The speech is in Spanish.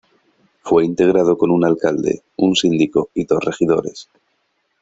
Fue integrado con un alcalde, un síndico y dos regidores.